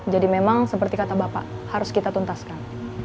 jadi memang seperti kata bapak harus kita tuntaskan